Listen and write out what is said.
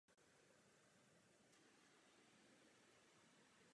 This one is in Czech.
Aktivisté též vyplenili kyjevské sídlo vládní Strany regionů.